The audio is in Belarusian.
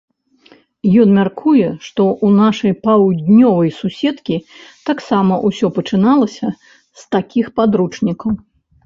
Ён мяркуе, што ў нашай паўднёвай суседкі таксама ўсё пачыналася з такіх падручнікаў.